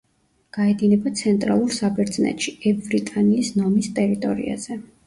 გაედინება ცენტრალურ საბერძნეთში, ევრიტანიის ნომის ტერიტორიაზე.